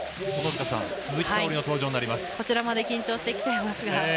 こちらまで緊張してます。